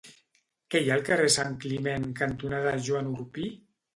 Què hi ha al carrer Santcliment cantonada Joan Orpí?